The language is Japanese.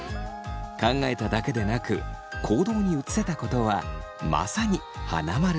考えただけでなく行動に移せたことはまさにハナマルです。